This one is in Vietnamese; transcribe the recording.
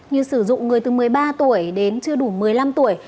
như sử dụng người từ một mươi ba tuổi đến chưa đủ một mươi năm tuổi